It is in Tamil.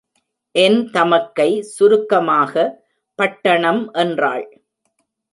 என் தமக்கை சுருக்கமாக, பட்டணம் என்றாள்.